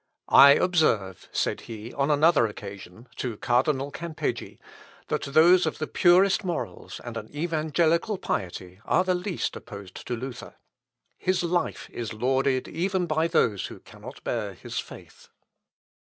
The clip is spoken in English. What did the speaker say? "I observe," said he on another occasion to Cardinal Campeggi, "that those of the purest morals, and an evangelical piety, are the least opposed to Luther. His life is lauded even by those who cannot bear his faith.